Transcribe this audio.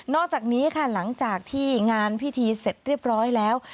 อกจากนี้ค่ะหลังจากที่งานพิธีเสร็จเรียบร้อยแล้ว